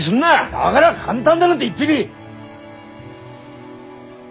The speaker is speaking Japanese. だがら簡単だなんて言ってねえ！